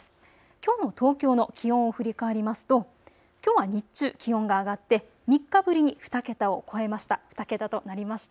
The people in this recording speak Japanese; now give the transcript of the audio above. きょうの東京の気温を振り返りますと、きょうは日中、気温が上がって３日ぶりに２桁を超えました。